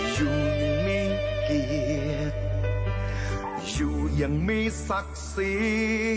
อยู่อย่างมีศักดิ์ศรี